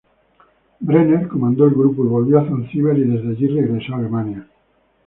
Brenner comandó el grupo y volvió a Zanzíbar y desde allí regresó a Alemania.